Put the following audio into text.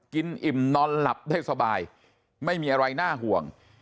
อิ่มนอนหลับได้สบายไม่มีอะไรน่าห่วง